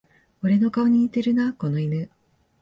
俺の顔に似てるな、この犬